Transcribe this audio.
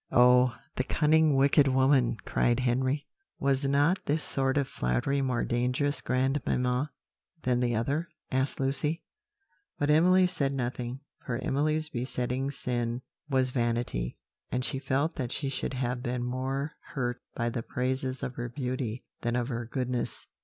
"Oh, the cunning, wicked woman!" cried Henry. "Was not this sort of flattery more dangerous, grandmamma, than the other?" asked Lucy. But Emily said nothing; for Emily's besetting sin was vanity, and she felt that she should have been more hurt by the praises of her beauty than of her goodness.